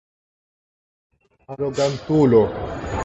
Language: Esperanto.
Arogantulo!